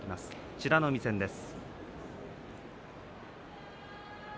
美ノ海戦です。